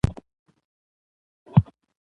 چنګلونه د افغانستان د اقتصاد برخه ده.